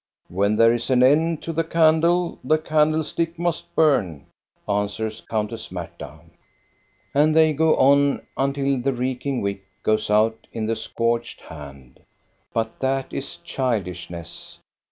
" When there is an end to the candle, the candle stick must burn," answers Countess Marta. And they go on, until the reeking wick goes out in the scorched hand. But that is childishness.